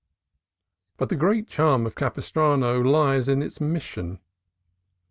But the great charm of Capistrano lies in its Mis sion.